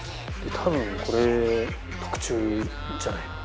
多分これ特注じゃないの？